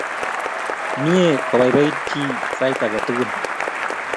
Mye kopaipait chi sait ake tukul